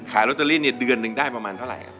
ขายลอตเตอรี่เนี่ยเดือนหนึ่งได้ประมาณเท่าไหร่